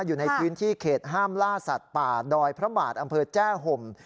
อยู่ในพื้นที่เขตห้ามล่าสัตว์ป่าดอยพระบาทอำเภอแจ้ห่ม